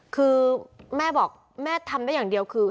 คือแม่บอกแม่ทำได้อย่างเดียวคือ